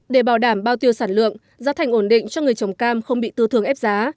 để bảo đảm bao tiêu sản lượng giá thành ổn định cho người trồng cam không bị tư thường ép giá